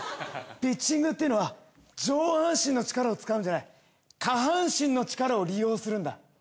ピッチングっていうのは上半身の力を使うんじゃない下半身の力を利用するんだ。